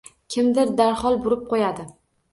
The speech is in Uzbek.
Kimdir darhol burib qo‘yadi.